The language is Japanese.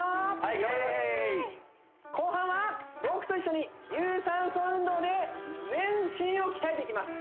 イエーイ後半は僕と一緒に有酸素運動で全身を鍛えていきます